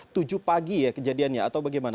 tujuh pagi ya kejadiannya atau bagaimana